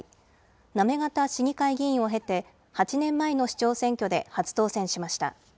行方市議会議員を経て、８年前の市長選挙で初当選しました。